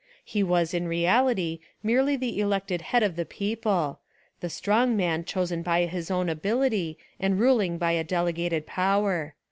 He was in reality merely the elected head of the people, — the strong man chosen by his own ability and ruling by a delegated power.